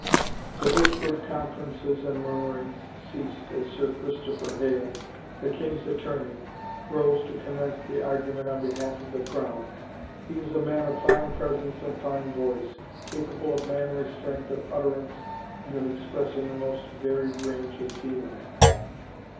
The whispered conferences and murmurings ceased as Sir Christopher Hale, the king's attorney, rose to commence the argument on behalf of the crown. He was a man of fine presence and fine voice, capable of manly strength of utterance and of expressing a most varied range of feeling.